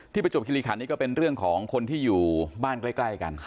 ประจวบคิริขันนี่ก็เป็นเรื่องของคนที่อยู่บ้านใกล้กัน